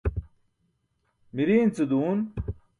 Muriin ce duun.